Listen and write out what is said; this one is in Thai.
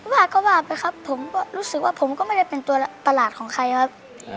ว่าก็ว่าไปครับผมก็รู้สึกว่าผมก็ไม่ได้เป็นตัวประหลาดของใครครับ